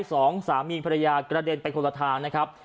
สองสามีภรรยากระเด็นไปคนละทางนะครับ